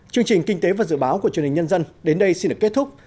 chương trình kinh tế và dự báo của chương trình nhân dân đến đây xin được kết thúc